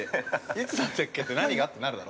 ◆いつだったっけって何が？ってなるだろ？